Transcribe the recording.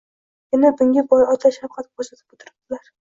Yana bunga boy ota shafqat ko‘rsatib o‘tiribdilar.